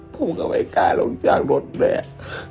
ผมก็ไม่กล้าลงจากรถเลย